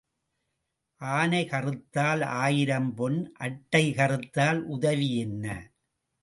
ஆனை கறுத்தால் ஆயிரம் பொன் அட்டைகறுத்தால் உதவி என்ன?